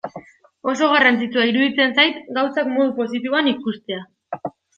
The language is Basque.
Oso garrantzitsua iruditzen zait gauzak modu positiboan ikustea.